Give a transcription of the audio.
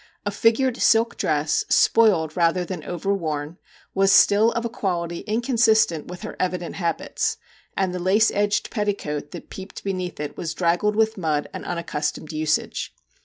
A figured silk dress, spoiled rather than overworn, was still of a quality inconsistent with her evident habits, and the lace edged petticoat that peeped be neath it was draggled with mud and unac customed usage.